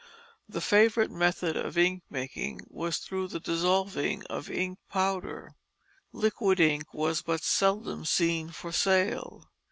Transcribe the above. The favorite method of ink making was through the dissolving of ink powder. Liquid ink was but seldom seen for sale.